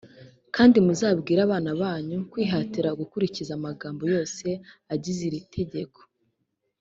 kandi muzabwirize abana banyu kwihatira gukurikiza amagambo yose agize iri tegeko.